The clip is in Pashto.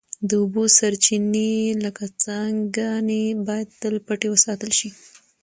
د اوبو سرچینې لکه څاګانې باید تل پټې وساتل شي.